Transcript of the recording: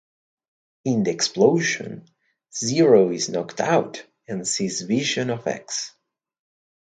In the explosion, Zero is knocked out and sees visions of X.